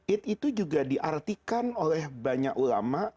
itu juga diartikan oleh banyak ulama